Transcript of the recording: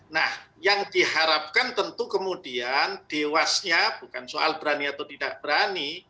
nah yang diharapkan tentu kemudian dewasnya bukan soal berani atau tidak berani